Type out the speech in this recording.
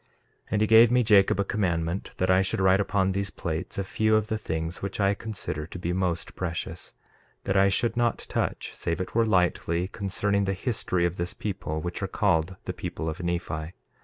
1:2 And he gave me, Jacob, a commandment that I should write upon these plates a few of the things which I consider to be most precious; that I should not touch, save it were lightly, concerning the history of this people which are called the people of Nephi.